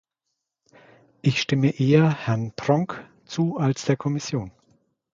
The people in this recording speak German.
Ich stimme eher Herrn Pronk zu als der Kommission.